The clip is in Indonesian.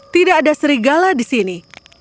tidak ada serigala di sini